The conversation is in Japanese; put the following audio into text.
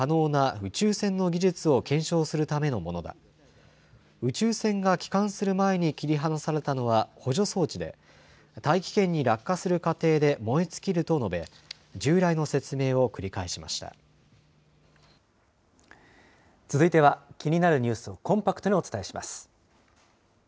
宇宙船が帰還する前に切り離されたのは補助装置で、大気圏に落下する過程で燃え尽きると述べ、従来の説明を繰り返し続いては気になるニュースをコンパクトにお伝えします。